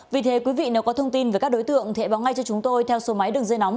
vì thế quý vị nếu có thông tin về các đối tượng hãy báo ngay cho chúng tôi theo số máy đường dây nóng